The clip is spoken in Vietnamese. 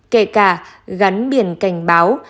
kể cả gắn biển cảnh báo